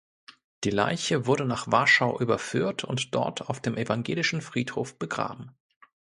Die Leiche wurde nach Warschau überführt und dort auf dem Evangelischen Friedhof begraben.